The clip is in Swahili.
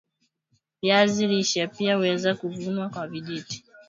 viazi lishe pia huweza kuvunwa kwa vijiti